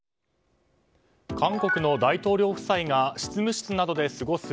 韓国の大統領夫妻が執務室で過ごす